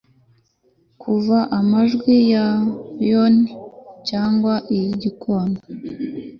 kumva amajwi ya violin cyangwa iy'igikona